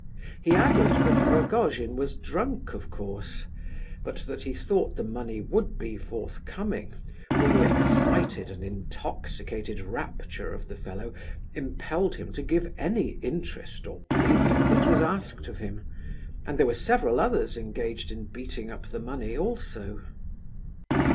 He added that Rogojin was drunk, of course; but that he thought the money would be forthcoming, for the excited and intoxicated rapture of the fellow impelled him to give any interest or premium that was asked of him, and there were several others engaged in beating up the money, also.